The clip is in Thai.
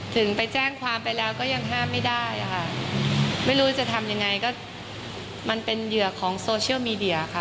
ถึงไปแจ้งความไปแล้วก็ยังห้ามไม่ได้ค่ะไม่รู้จะทำยังไงก็มันเป็นเหยื่อของโซเชียลมีเดียค่ะ